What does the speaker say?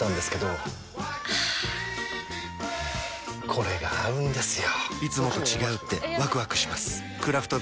これが合うんですよ！